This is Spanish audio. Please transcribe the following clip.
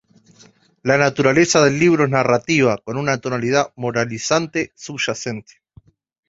La naturaleza del libro es narrativa, con una tonalidad moralizante subyacente.